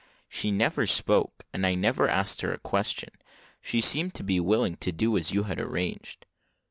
"She never spoke, and I never asked her a question. She seemed to be willing to do as you had arranged."